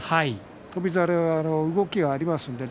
翔猿は動きがありますのでね